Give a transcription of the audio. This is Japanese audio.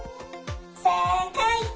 せいかい！